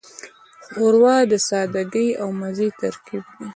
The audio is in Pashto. ښوروا د سادګۍ او مزې ترکیب دی.